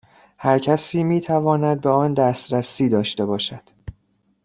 هر کسی میتواند به آن دسترسی داشته باشد